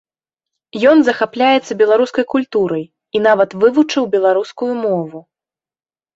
Ён захапляецца беларускай культурай і нават вывучыў беларускую мову.